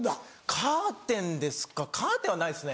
カーテンですかカーテンはないですね。